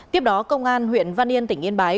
tiếp đó công an huyện văn yên tỉnh yên bái